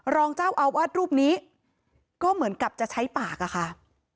รองเจ้าอาวาสรูปนี้ก็เหมือนกับจะใช้ปากอะค่ะ